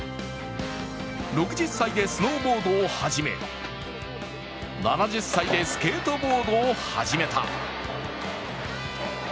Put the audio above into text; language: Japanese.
６０歳でスノーボードを始め、７０歳でスケートボードを始めた。